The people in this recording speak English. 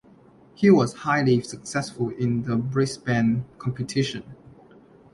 He was highly successful in the Brisbane competition.